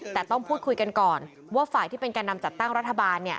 แต่ต้องพูดคุยกันก่อนว่าฝ่ายที่เป็นแก่นำจัดตั้งรัฐบาล